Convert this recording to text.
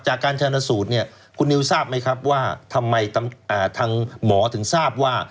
จากการชนสูตรเนี่ยคุณนิวทราบไหมครับว่าทำไมทางหมอถึงทราบว่า